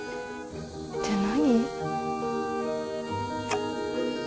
って何？